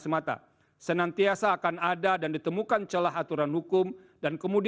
saya meyakini bahwa tidak ada aturan hukum yang seharusnya diaturkan pada aturan hukum pemilu